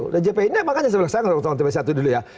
dan jpu ini makanya saya bilang saya ngerti ngerti dulu ya